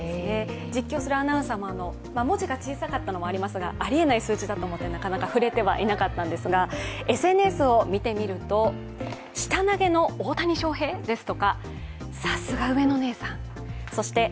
実況するアナウンサーも文字が小さかったのもありますがあり得ない数字だと思ってなかなか触れてはいなかったんですがＳＮＳを見てみるとソフトボールは６連覇を果たしました。